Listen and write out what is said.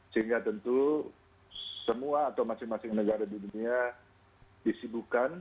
sehingga tentu semua atau masing masing negara di dunia disibukan